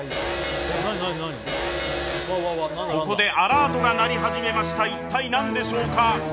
ここでアラートが鳴り始めました、一体何でしょうか。